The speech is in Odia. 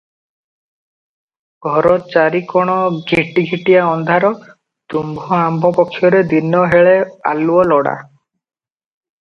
ଘର ଚାରିକଣ ଘିଟିଘିଟିଆ ଅନ୍ଧାର, ତୁମ୍ଭ ଆମ୍ଭ ପକ୍ଷରେ ଦିନହେଳେ ଆଲୁଅ ଲୋଡ଼ା ।